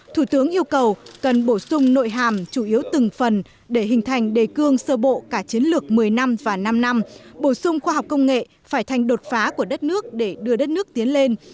thủ tướng yêu cầu cần bổ sung nội hàm chủ yếu từng phần để hình thành đề cương sơ bộ cả chiến lược một mươi năm và năm năm bổ sung khoa học công nghệ phải thành đột phá của đất nước để đưa đất nước tiến lên